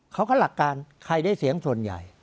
เขาก็หลักการใครได้เสียงส่วนใหญ่